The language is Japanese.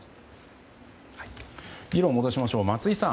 議論を戻しましょう。